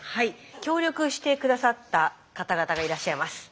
協力して下さった方々がいらっしゃいます。